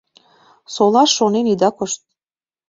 Солаш шонен ида кошт.